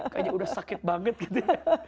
kayaknya udah sakit banget gitu ya